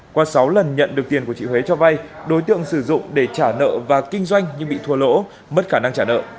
qua sáu lần nhận được tiền của chị huế cho vay đối tượng sử dụng để trả nợ và kinh doanh nhưng bị thua lỗ mất khả năng trả nợ